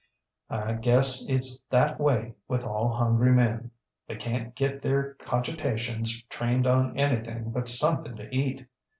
I guess itŌĆÖs that way with all hungry men. They canŌĆÖt get their cogitations trained on anything but something to eat.